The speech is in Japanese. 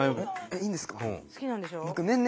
いいんですか？